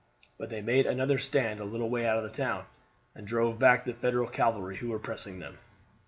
But they made another stand a little way out of the town, and drove back the Federal cavalry who were pressing them.